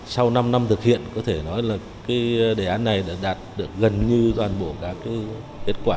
sau năm năm thực hiện có thể nói là đề án này đã đạt được gần như toàn bộ các kết quả